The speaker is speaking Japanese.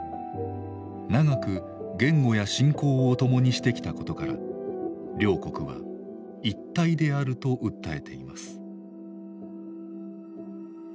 長く言語や信仰を共にしてきたことから両国は一体であると訴えています。